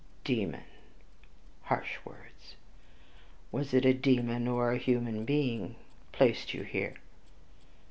"Demon! Harsh words! Was it a demon or a human being placed you here?